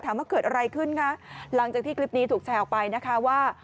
ว่าเกิดอะไรขึ้นคะหลังจากที่คลิปนี้ถูกแชร์ออกไปนะคะว่า